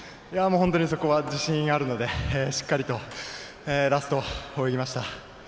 本当にそこは自信あるのでしっかりとラスト泳ぎました。